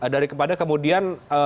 dari kepada kemudian